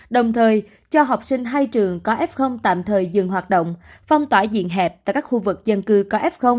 đồng thời cho học sinh hai trường có f tạm thời dừng hoạt động phong tỏa diện hẹp tại các khu vực dân cư có f